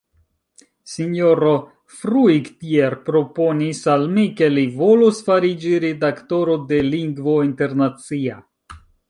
Sinjoro Fruictier proponis al mi, ke li volus fariĝi redaktoro de "Lingvo Internacia".